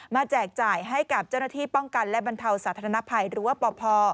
แจกจ่ายให้กับเจ้าหน้าที่ป้องกันและบรรเทาสาธารณภัยหรือว่าปพ